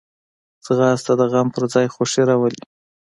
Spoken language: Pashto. ځغاسته د غم پر ځای خوښي راولي